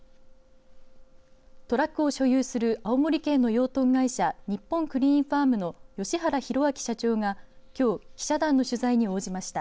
トラックを所有する青森県の養豚会社日本クリーンファームの吉原洋明社長がきょう記者団の取材に応じました。